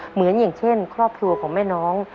เหมือนอย่างเช่นครอบครัวของแม่น้อง